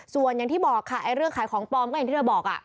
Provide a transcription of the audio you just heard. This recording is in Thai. ส่วนอย่างที่บอกค่ะเรื่องขายของปลอมก็อย่างที่เธอบอก